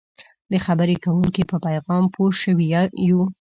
د خبرې کوونکي په پیغام پوه شوي یو.